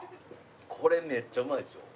これめっちゃうまいですよ。